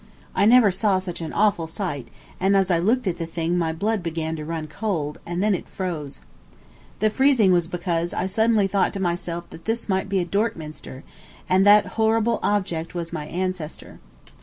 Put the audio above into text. I never saw such an awful sight, and as I looked at the thing my blood began to run cold, and then it froze. The freezing was because I suddenly thought to myself that this might be a Dorkminster, and that that horrible object was my ancestor.